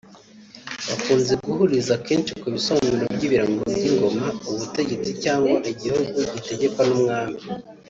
Bakunze guhuriza kenshi ku bisobanuro by’ibirango by’ingoma (Ubutegetsi cyangwa igihugu gitegetkwa n’umwami)